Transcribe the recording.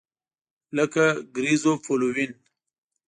لکه ګریزوفولوین.